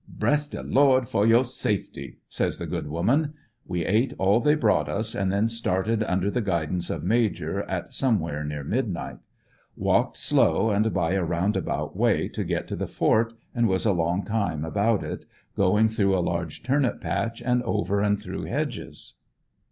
"Bress de Lord, for yo' safety." says the good woman. We ate all they brought us, and then started under the guidance of Major at somewhere near midnight. Walked slow and by a roundabout way to get to the fort and was a long time about it, going through a large turnip patch and over and through hedges.